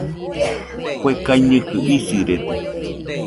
Kue kaiñɨkɨ isirede